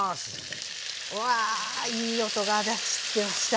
うわあいい音がしてきました。